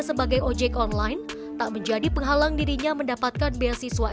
sebagai ojek online tak menjadi penghalang dirinya mendapatkan beasiswa